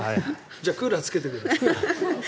じゃあクーラーつけてください。